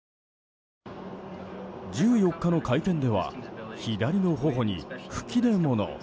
１４日の会見では左の頬に吹き出物。